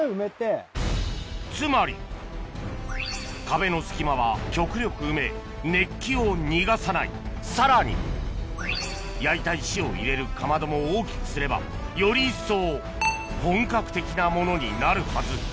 つまり壁の隙間は極力埋め熱気を逃がさないさらに焼いた石を入れるかまども大きくすればより一層本格的なものになるはず